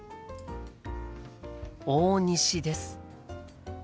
大西です。